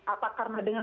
apa karena dengan